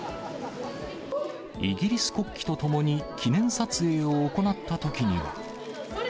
イギリス国旗と共に記念撮影を行ったときには。